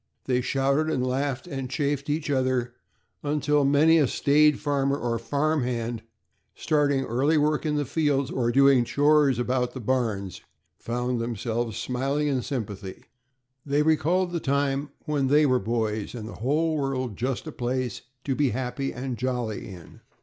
They shouted and laughed, and chaffed each other until many a staid farmer or farm hand, starting early work in the fields, or doing chores about the barns, found themselves smiling in sympathy. They recalled the time when they were boys, and the whole world just a place to be happy and jolly in.